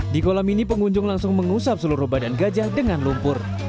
di kolam ini pengunjung langsung mengusap seluruh badan gajah dengan lumpur